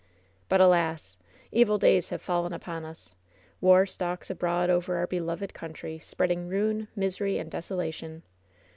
"But, alas! evil days have fallen upon us. War stalks abroad over our beloved country, spreading ruin, misery and desolation.